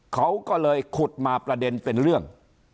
เขาก็เลยขุดมาประเด็นเป็นเรื่อง